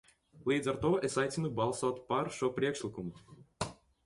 "Līdz ar to es aicinu balsot "par" šo priekšlikumu."